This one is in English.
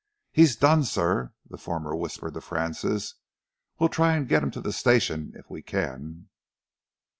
"He's done, sir," the former whispered to Francis. "We'll try and get him to the station if we can."